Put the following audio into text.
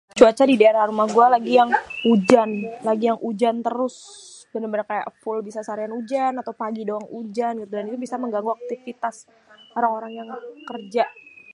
cuaca didaerah rumah guê lagi ujan lagi yang ujan terus benêr-benêr ke bisa full seharian ampé pagi ujan bisa menggangggu aktifitas orang-orang yang kerja.